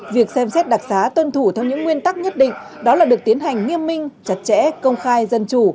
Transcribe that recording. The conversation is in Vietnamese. việc xem xét đặc xá tuân thủ theo những nguyên tắc nhất định đó là được tiến hành nghiêm minh chặt chẽ công khai dân chủ